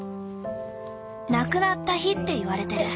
「亡くなった日」っていわれてる。